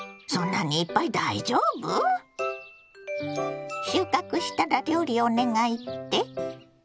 そんなにいっぱい大丈夫？収穫したら料理お願いって？